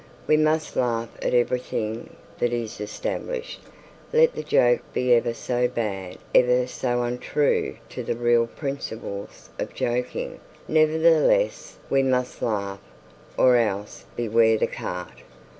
We must laugh at every thing that is established. Let the joke be ever so bad, ever so untrue to the real principles of joking; nevertheless we must laugh or else beware the cart.